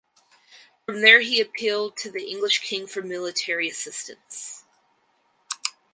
From there he appealed to the English king for military assistance.